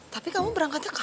tapi kamu berangkatnya kapan